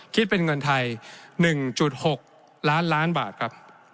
คิดเป็นเงินไทย๑๖ล้านล้านบาทครับ